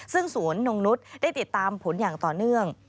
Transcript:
ซึ่งสวนนงนุษย์ได้ติดตามผลอย่างต่อเนื่อง